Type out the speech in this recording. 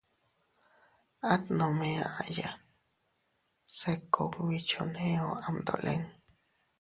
At nome aʼaya se kugbi choneo am dolin.